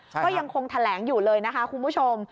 ก็ยังคงแถลงอยู่เลยนะคะคุณผู้ชม